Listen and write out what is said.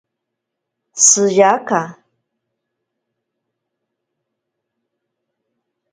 Shiyaka.